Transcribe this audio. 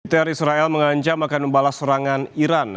teror israel mengancam akan membalas serangan iran